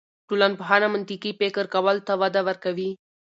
ټولنپوهنه منطقي فکر کولو ته وده ورکوي.